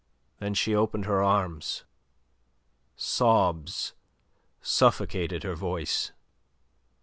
Then she opened her arms. Sobs suffocated her voice.